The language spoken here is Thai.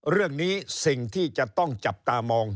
เรื่องนี้สิ่งที่จะต้องจับตามอง